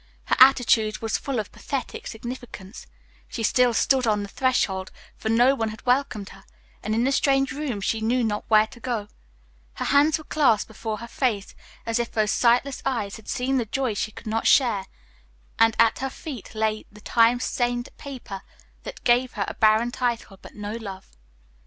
Her attitude was full of pathetic significance; she still stood on the threshold, for no one had welcomed her, and in the strange room she knew not where to go; her hands were clasped before her face, as if those sightless eyes had seen the joy she could not share, and at her feet lay the time stained paper that gave her a barren title, but no love.